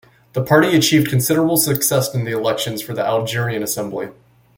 The party achieved considerable success in the elections for the Algerian Assembly.